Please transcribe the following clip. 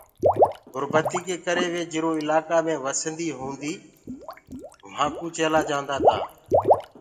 گُربتي ڪي ڪري وي جرو اِلاڪآ مي وسنديٚ هونٚديٚ وهانٚ ڪٚوُ چيلآ جآنٚدآ تآ۔